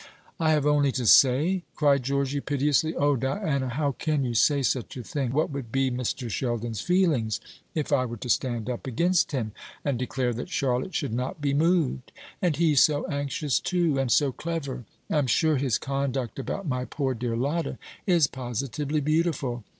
"I have only to say!" cried Georgy, piteously. "O Diana, how can you say such a thing? What would be Mr. Sheldon's feelings if I were to stand up against him, and declare that Charlotte should not be moved? And he so anxious too, and so clever. I'm sure his conduct about my poor dear Lotta is positively beautiful.